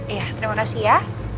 iya terima kasih ya